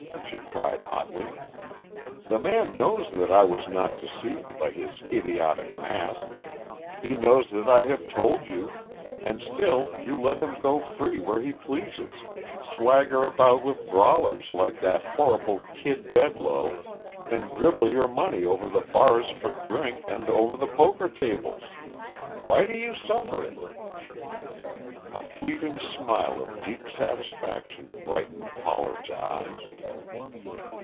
she cried hotly. "The man knows that I was not deceived by his idiotic mask, he knows that I have told you, and still you let him go free where he pleases, swagger about with brawlers like that horrible Kid Bedloe, and dribble your money over the bars for drink and over the poker tables! Why do you suffer it?" A fleeting smile of deep satisfaction brightened Pollard's eyes.